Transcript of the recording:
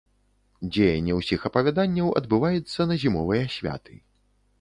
Дзеянне ўсіх апавяданняў адбываецца на зімовыя святы.